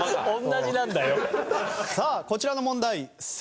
さあこちらの問題正解は。